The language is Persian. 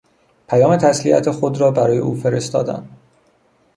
پیام تسلیت خود را برای او فرستادم